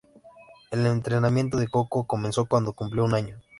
El entrenamiento de Koko comenzó cuando cumplió un año.